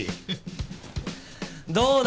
どうだ？